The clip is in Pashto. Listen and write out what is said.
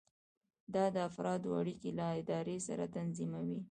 دا د افرادو اړیکې له ادارې سره تنظیموي.